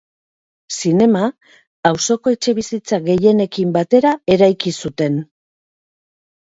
Zinema auzoko etxebizitza gehienekin batera eraiki zuten.